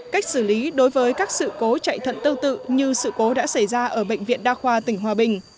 cách xử lý đối với các sự cố chạy thận tư tự như sự cố đã xảy ra ở bệnh viện đa khoa tỉnh hòa bình